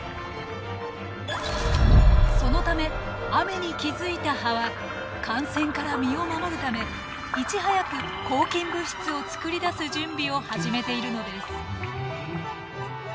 そのため雨に気付いた葉は感染から身を守るためいち早く抗菌物質を作り出す準備を始めているのです。